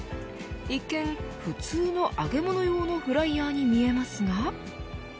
一見、普通の揚げ物用のフライヤーに見えますが。